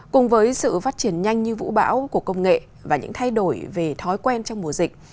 cùng với sự phát triển nhanh như vũ bão của công nghệ và những thay đổi về thói quen trong mùa dịch